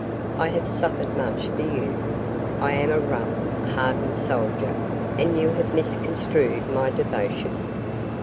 I have suffered much for you. I am a rough, hardened soldier, and you have misconstrued my devotion.